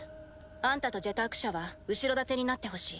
あんたと「ジェターク社」は後ろ盾になってほしい。